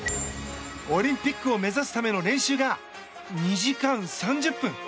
オリンピックを目指すための練習が２時間３０分。